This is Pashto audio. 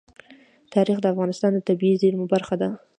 تاریخ د افغانستان د طبیعي زیرمو برخه ده.